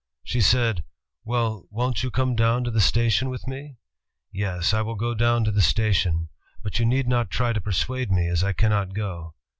She said, 'Well, won't you come down to the station with me?' 'Yes, I will go down to the station, but you need not try to persuade me, as I cannot go.'